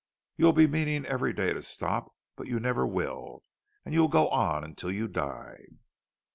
You'll be meaning every day to stop, but you never will, and you'll go on until you die.